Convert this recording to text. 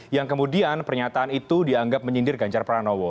yang kemudian pernyataan itu dianggap menyindir ganjar pranowo